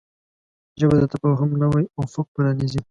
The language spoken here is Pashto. ژبه د تفاهم نوی افق پرانیزي